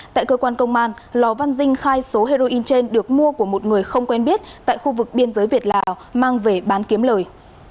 tại cơ quan công an lò văn dinh khai số heroin trên được mua của một người không quen biết tại khu vực biên giới việt lào mang về bán kiếm lời